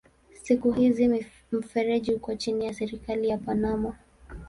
Siku hizi mfereji uko chini ya serikali ya Panama.